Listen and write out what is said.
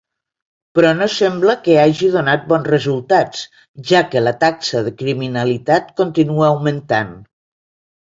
Però no sembla que hagi donat bons resultats ja que la taxa de criminalitat continua augmentant.